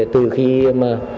từ khi mà